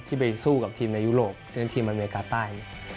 ที่ไปสู้กับทีมในยุโรคที่เป็นทีมอเมริกาใต้